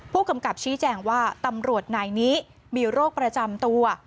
ผู้กำกับชี้แจงว่าตำรวจนายนี้มีโรคประจำตัว